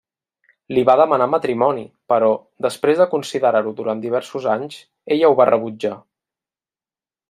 Li va demanar matrimoni, però, després de considerar-ho durant diversos anys, ella ho va rebutjar.